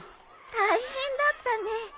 大変だったね。